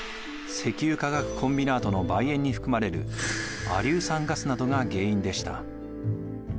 石油化学コンビナートのばい煙に含まれる亜硫酸ガスなどが原因でした。